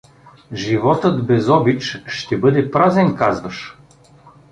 Животът без обич ще бъде празен, казваш?